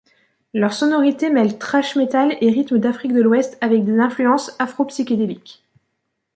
Leurs sonorités mêlent thrash metal et rythmes d’Afrique de l’Ouest avec des influences afro-psychédéliques.